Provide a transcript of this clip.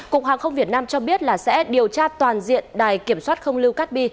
cục hàng không việt nam cho biết là sẽ điều tra toàn diện đài kiểm soát không lưu cát bi